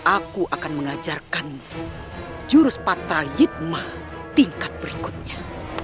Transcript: aku akan mengajarkan jurus patra hitmah tingkat berikutnya